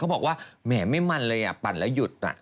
ก็บอกว่าไม่มันเลยอะปั่นแล้วยุดอะ